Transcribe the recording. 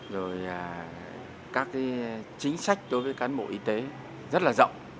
rồi các chính sách đối với cán bộ y tế rất là rộng